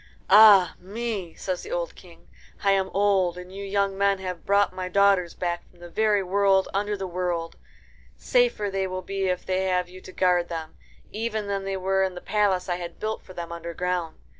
"Ah me!" says the old King, "I am old, and you young men have brought my daughters back from the very world under the world. Safer they will be if they have you to guard them, even than they were in the palace I had built for them underground.